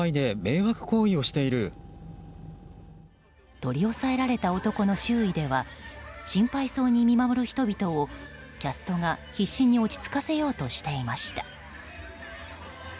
取り押さえられた男の周囲では心配そうに見守る人々をキャストが必死に落ち着かせようとしていました。